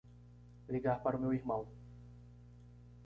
Ligar para o meu irmão.